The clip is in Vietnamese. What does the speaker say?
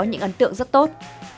những ấn tượng rất tốt